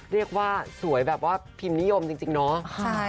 เรียกว่าสวยแบบว่าพิมพ์นิยมจริงเนาะ